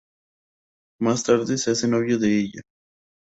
Más tarde se hace novio de ella.